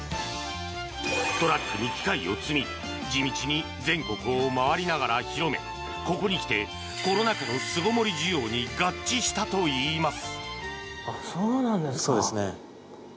トラックに機械を積み地道に全国を回りながら広めここに来てコロナ禍の巣ごもり需要に合致したといいます。